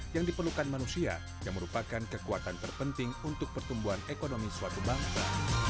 yang diperlukan manusia yang merupakan kekuatan terpenting untuk pertumbuhan ekonomi suatu bangsa